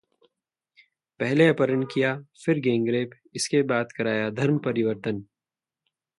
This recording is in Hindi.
पहले अपहरण किया फिर गैंगरेप इसके बाद कराया धर्म परिवर्तन